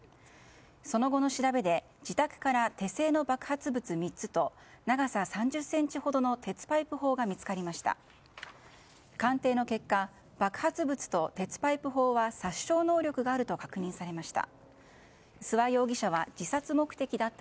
その後の調べで自宅から手製の爆発物３つと長さ３０ｃｍほどの鉄パイプ砲が見つかりました。